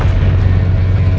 aku mau pergi ke rumah